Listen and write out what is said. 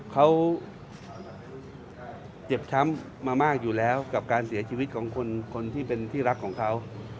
เขาเจ็บช้ำมามากอยู่แล้วกับการเสียชีวิตของคนที่เป็นที่รักของเขา